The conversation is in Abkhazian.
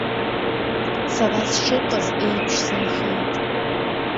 Сара сшыҟаз еиԥш сынхеит.